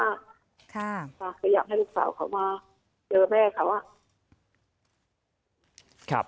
อยากให้ลูกสาวเขามาเจอแม่เขา